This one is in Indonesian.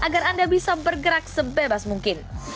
dan bisa bergerak sebebas mungkin